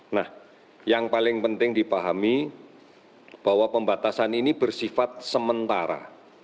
nah yang paling penting dipahami bahwa pembatasan ini bersifat sementara